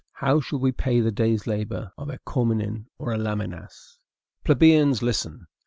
How shall we pay the day's labor of a Cormenin or a Lamennais?" Plebeians, listen!